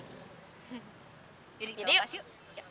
jadi kita lepas yuk